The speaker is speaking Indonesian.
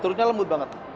strukturnya lembut banget